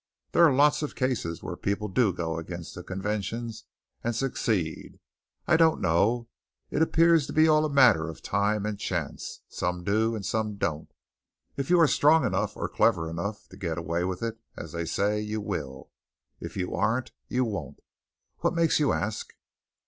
There are lots of cases where people do go against the conventions and succeed. I don't know. It appears to be all a matter of time and chance. Some do and some don't. If you are strong enough or clever enough to 'get away with it,' as they say, you will. If you aren't, you won't. What makes you ask?"